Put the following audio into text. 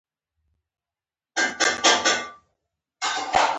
آیا نوموړی د ډیموکراټیک جواز له لارې باور ترلاسه کولای شي؟